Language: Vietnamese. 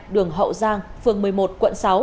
đường hậu giang phường một mươi một quận sáu